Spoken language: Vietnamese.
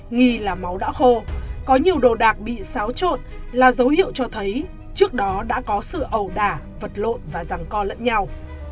nghi là máu đã khô có nhiều đồ đạc bị xáo trộn là dấu hiệu cho thấy trước đó đã có sự ẩu đả vật lộn và răng co lẫn nhau